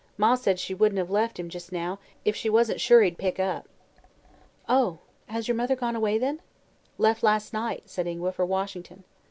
Ma said she wouldn't have left him, just now, if she wasn't sure he'd pick up." "Oh. Has your mother gone away, then?" "Left last night," said Ingua, "for Washington."